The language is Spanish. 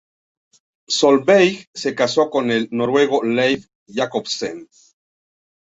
Solveig se casó con el noruego Leif Jacobsen.